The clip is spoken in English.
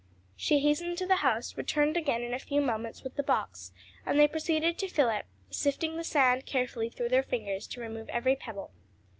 She hastened to the house, returned again in a few moments with the box, and they proceeded to fill it, sifting the sand carefully through their fingers to remove every pebble.